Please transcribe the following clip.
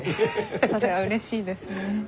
それはうれしいですね。